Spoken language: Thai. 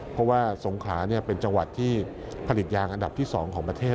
เพราะว่าสงขลาเป็นจังหวัดที่ผลิตยางอันดับที่๒ของประเทศ